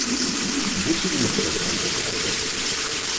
Wozu benutzt man diese Salbe?